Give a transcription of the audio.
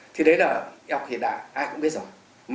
thì đấy là ốc hiện đại ai cũng biết rồi